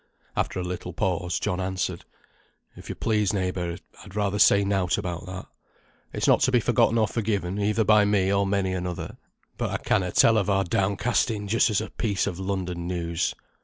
After a little pause John answered, "If yo please, neighbour, I'd rather say nought about that. It's not to be forgotten or forgiven either by me or many another; but I canna tell of our down casting just as a piece of London news.